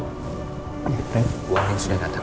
buang yang sudah datang